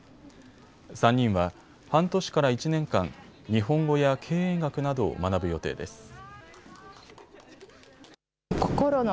３人は半年から１年間、日本語や経営学などを学ぶ予定です。